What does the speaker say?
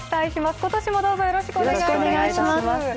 今年もどうぞよろしくお願いします